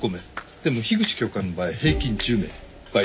でも樋口教官の場合平均１０名倍です。